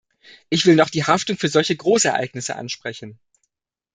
Ich will noch die Haftung für solche Großereignisse ansprechen.